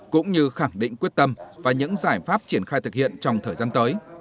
cũng như khẳng định quyết tâm và những giải pháp triển khai thực hiện trong thời gian tới